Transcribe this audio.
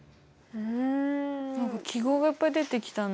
うん。